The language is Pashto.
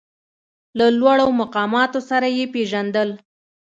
له لوړو مقاماتو سره یې پېژندل.